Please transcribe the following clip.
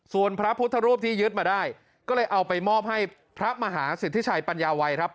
ส่วนพระพุทธรูปที่ยึดมาได้ก็เลยเอาไปมอบให้พระมหาสิทธิชัยปัญญาวัยครับ